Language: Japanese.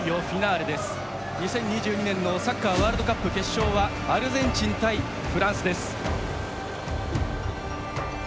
２０２２年のサッカーワールドカップ決勝はアルゼンチン対フランスです。